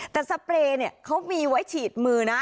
แต่สเปรย์เนี่ยเขามีไว้ฉีดมือนะ